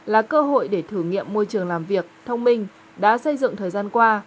là cơ hội để thử nghiệm môi trường làm việc thông minh đã xây dựng thời gian qua